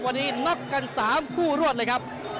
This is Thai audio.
วันนี้นับกัน๓คู่รวดเลยครับ